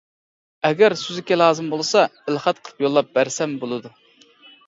ئەگەر سۈزۈكى لازىم بولسا ئېلخەت قىلىپ يوللاپ بەرسەم بولىدۇ.